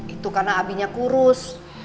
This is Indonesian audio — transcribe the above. itu karena abinya kurus